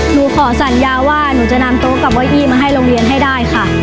หนูขอสัญญาว่าหนูจะนำโต๊ะกับว่ายี่มาให้โรงเรียนให้ได้ค่ะ